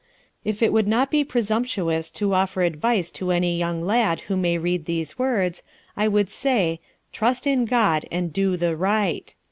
"If it would not be presumptuous to offer advice to any young lad who may read these words, I would say, 'Trust in God and do the right.'